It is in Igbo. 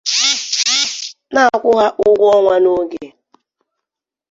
na-akwụ ha ụgwọ ọnwa n'oge